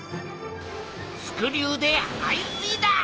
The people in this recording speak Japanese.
スクリューで排水だ！